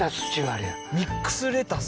あれやミックスレタス？